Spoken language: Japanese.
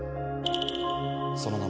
その名も。